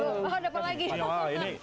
oh udah apa lagi